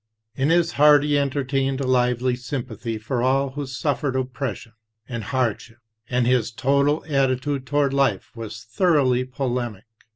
In his heart he entertained a lively sympathy for all who suffered oppression and hardship; and his total attitude toward life was thoroughly polemic.